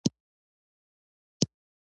افغانستان پینځه زره کاله تاریخ لري.